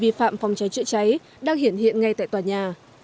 vấn đề vi phạm phòng cháy chữa cháy đang hiện hiện ngay tại tòa nhà